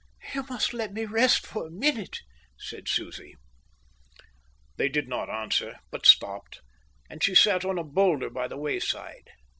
"You must let me rest for a minute," said Susie. They did not answer, but stopped, and she sat on a boulder by the wayside.